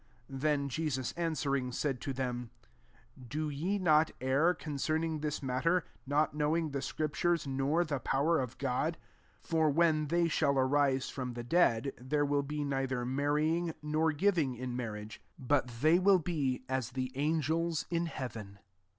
24 Then Jesus answering, said to them^ "Do ye not ^ err concerning this matter, not knowing the scriptures, nor the power of God ? 25 For when tney shall arise from the dead, there will be neither marrying, nor giving in marriage : but they will be as the angels in heaven.